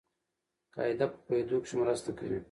قاعده په پوهېدو کښي مرسته کوي.